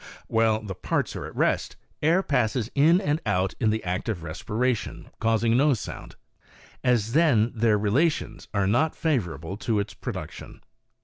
While the parts are at rest, air passes in and out in the act of respiration, causing no sound, as then their relations are not favorable to its production.